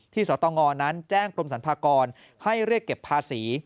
สตงนั้นแจ้งกรมสรรพากรให้เรียกเก็บภาษี